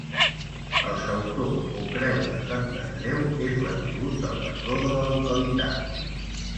El sautor o creu de Sant Andreu és l'atribut del patró de la localitat.